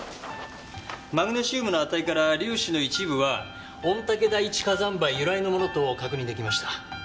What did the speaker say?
マグネシウムの値から粒子の一部は御岳第一火山灰由来のものと確認出来ました。